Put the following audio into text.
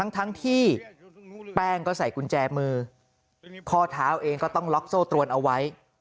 ทั้งที่แป้งก็ใส่กุญแจมือข้อเท้าเองก็ต้องล็อกโซ่ตรวนเอาไว้